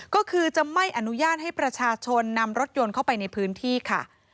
ก็คือจะไม่อนุญาตให้ประชาชนนำรถยนต์เข้าไปในพื้นที่ค่ะ